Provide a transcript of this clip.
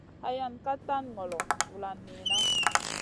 Hayan ka tan ŋolo vulan niyna.